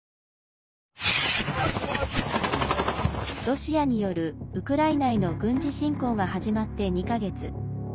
ロシアによるウクライナへの軍事侵攻が始まって２か月。